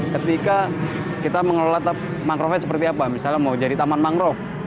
ketika kita mengelola mangrovenya seperti apa misalnya mau jadi taman mangrove